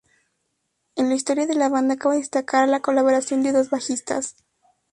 En la historia de la banda, cabe destacar la colaboración de dos bajistas.